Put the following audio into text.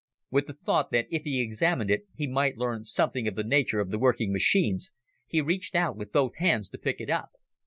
With the thought that if he examined it he might learn something of the nature of the working machines, he reached out with both hands to pick it up.